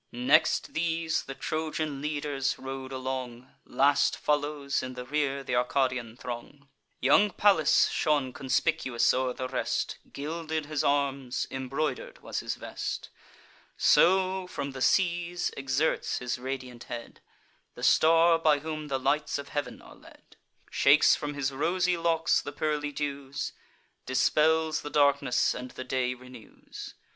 Next these, the Trojan leaders rode along; Last follows in the rear th' Arcadian throng. Young Pallas shone conspicuous o'er the rest; Gilded his arms, embroider'd was his vest. So, from the seas, exerts his radiant head The star by whom the lights of heav'n are led; Shakes from his rosy locks the pearly dews, Dispels the darkness, and the day renews.